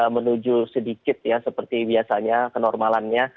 menuju sedikit ya seperti biasanya kenormalannya